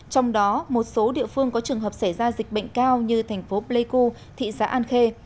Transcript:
trong đó một số địa phương có trường hợp xảy ra dịch bệnh cao như thành phố pleiku thị xã an khê